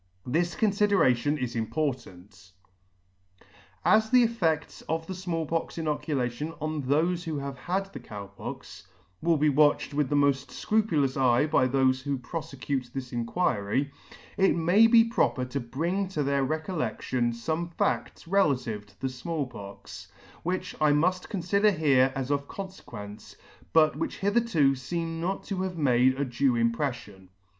This condderation is important. As the effeds of the Small Pox inoculation on thofe who have had the Cow Pox, will be watched with the mod fcrupulous eye by thofe who profecute this Inquiry, it may be proper to bring to their recolledion fome fads relative to the Small Pox, which I mud confider here as of confequence, but which hitherto feem not to have made a due impredion.